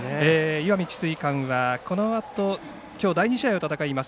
石見智翠館は、このあときょう第２試合を戦います